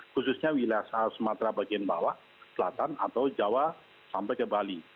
khususnya wilayah sumatera bagian bawah selatan atau jawa sampai ke bali